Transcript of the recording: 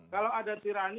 kalau ada tirani